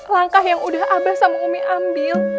langkah yang udah abah sama umi ambil